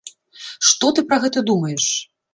Што ты пра гэта думаеш?